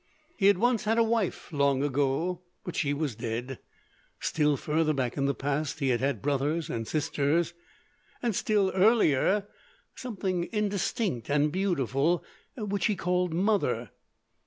He had once had a wife—long ago—but she was dead. Still further back in the past he had had brothers and sisters, and still earlier—something indistinct and beautiful, which he called Mother.